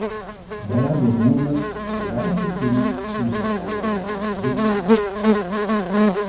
Dêr begûn it de lêste tiid suver al wer wat op te lykjen.